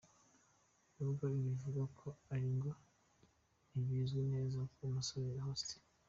Nubwo ibi bivugwa ariko ngo ntibizwi neza uko umusore Horst.